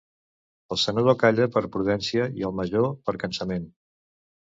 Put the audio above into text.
El senador calla per prudència i el major per cansament.